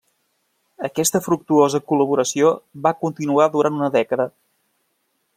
Aquesta fructuosa col·laboració va continuar durant una dècada.